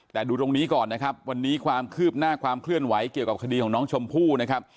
แต่ดูตรงนี้ก่อนนะครับวันนี้ความคืบหน้าความเคลื่อนไหวเกี่ยวกับคดีของน้องชมพู่นะครับ